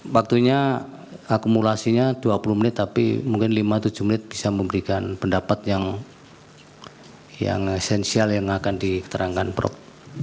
waktunya akumulasinya dua puluh menit tapi mungkin lima tujuh menit bisa memberikan pendapat yang esensial yang akan diterangkan prof